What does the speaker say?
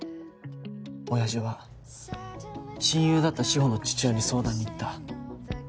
親父は親友だった志法の父親に相談に行った。